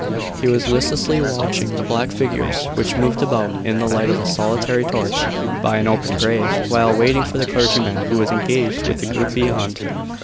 He was listlessly watching the black figures which moved about in the light of a solitary torch, by an open grave, while waiting for the clergyman who was engaged with the group beyond.